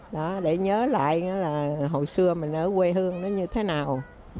đó để nhớ lại là hồi xưa mình ở quê hương nó như thế nào